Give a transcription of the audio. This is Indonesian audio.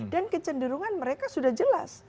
dan kecenderungan mereka sudah jelas